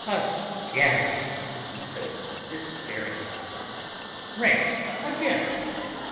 "Again," he said despairingly. "Rain again.